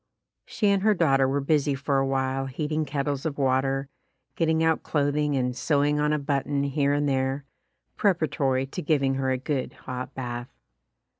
She and her daughter were busy for a while heating kettles of water, getting out clothing and sewing on a button here and there, preparatory to giving her a good hot bath.